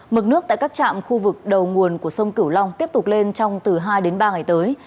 mực nước tại các trạm khu vực đầu nguồn của sông cửu long tiếp tục lên trong từ hai đến ba ngày tới